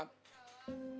ngapain mak enok kemari